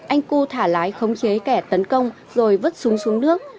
anh cư thả lái khống chế kẻ tấn công rồi vứt súng xuống nước